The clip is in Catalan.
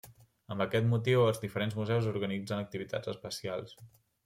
Amb aquest motiu, els diferents museus organitzen activitats especials.